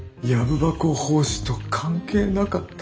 「藪箱法師」と関係なかった。